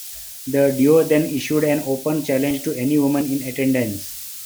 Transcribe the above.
The duo then issued an open challenge to any women in attendance.